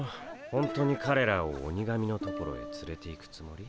ほんとにかれらを鬼神のところへつれていくつもり？